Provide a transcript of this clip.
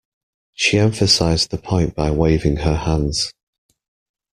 She emphasised the point by waving her hands.